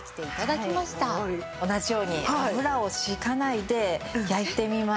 同じように油を引かないで焼いてみます。